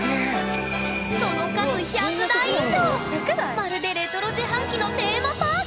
その数まるでレトロ自販機のテーマパーク！